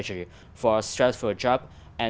cuộc sống của bạn